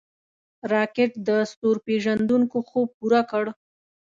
راکټ د ستورپیژندونکو خوب پوره کړ